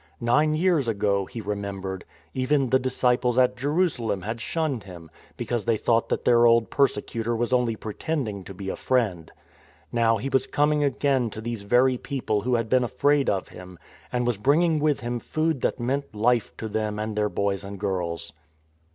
Nine years ago (he remembered) even the disciples at Jerusalem had shunned him, because they thought that their old persecutor was only pretending to be a friend. Now he was coming again to these very people who had been afraid of him, and was bringing with him food that meant life to them and their boys and girls.